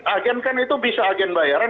agen kan itu bisa agen bayaran